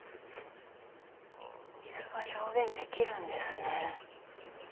水が表現できるんですね。